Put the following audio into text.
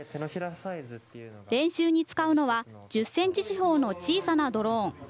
練習に使うのは、１０センチ四方の小さなドローン。